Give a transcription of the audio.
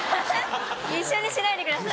一緒にしないでください。